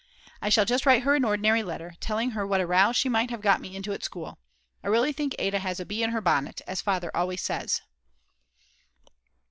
I shall just write her an ordinary letter, telling her what a row she might have got me into at school. I really think Ada has a bee in her bonnet, as Father always says.